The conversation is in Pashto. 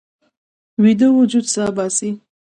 ویده وجود سا باسي